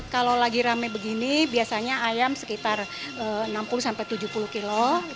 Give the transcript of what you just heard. kalau lagi rame begini biasanya ayam sekitar enam puluh tujuh puluh kilo